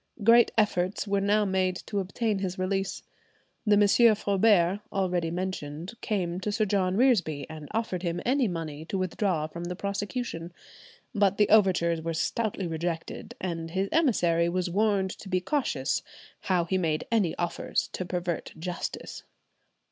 Great efforts were now made to obtain his release. The M. Foubert, already mentioned, came to Sir John Reresby, and offered him any money to withdraw from the prosecution, but the overtures were stoutly rejected, and his emissary was warned to be cautious "how he made any offers to pervert justice."